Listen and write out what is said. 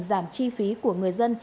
giảm chi phí của người dân